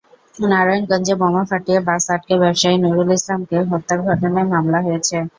নারায়ণগঞ্জে বোমা ফাটিয়ে বাস আটকে ব্যবসায়ী নুরুল ইসলামকে হত্যার ঘটনায় মামলা হয়েছে।